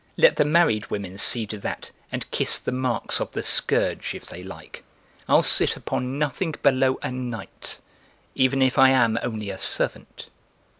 Let the married women see to that and kiss the marks of the scourge if they like: I'll sit upon nothing below a knight, even if I am only a servant."